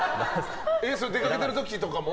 それ、出かけている時とかも？